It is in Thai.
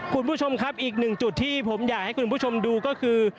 คุณผู้ชมครับอีกหนึ่งจุดที่ผมอยากให้คุณผู้ชมดูก็คือ